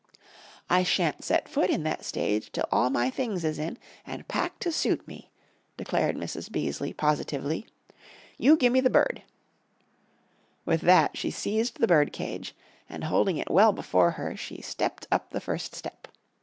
"I shan't set foot in that stage till all my things is in, and packed to suit me," declared Mrs. Beaseley, positively. "You gimme the bird;" with that she seized the bird cage, and holding it well before her, she stepped up the first step.